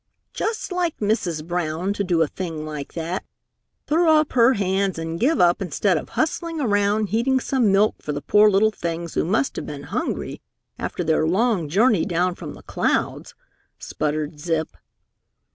"Just like Mrs. Brown to do a thing like that throw up her hands and give up instead of hustling around heating some milk for the poor little things who must have been hungry after their long journey down from the clouds," sputtered Zip.